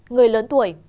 người lớn tuổi